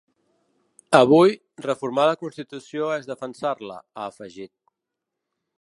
Avui, reformar la constitució és defensar-la, ha afegit.